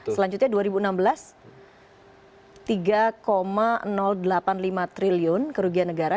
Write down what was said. selanjutnya dua ribu enam belas tiga delapan puluh lima triliun kerugian negara